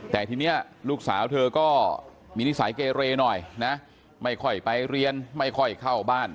แต่ทีนี้ลูกสาวเธอก็มีนิสัยเกเรหน่อยนะไม่ค่อยไปเรียนไม่ค่อยเข้าบ้าน